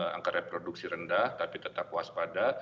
angka reproduksi rendah tapi tetap waspada